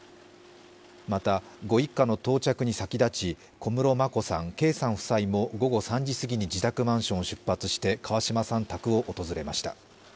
また、ご一家の到着に先立ち小室眞子さん、圭さん夫妻も午後３時すぎに自宅マンションを出発して、川嶋さん宅を訪れました。